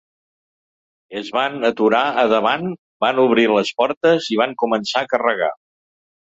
Es van aturar a davant, van obrir les portes i van començar a carregar.